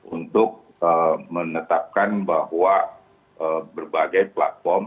untuk menetapkan bahwa berbagai platform